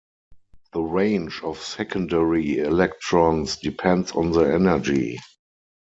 The range of secondary electrons depends on the energy.